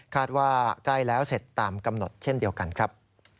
ว่าใกล้แล้วเสร็จตามกำหนดเช่นเดียวกันครับ